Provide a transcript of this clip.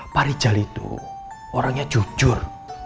pak rijal itu orangnya jujur